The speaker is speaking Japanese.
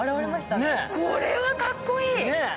これはかっこいい！